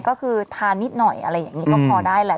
ก็คือทานนิดหน่อยอะไรอย่างนี้ก็พอได้แหละ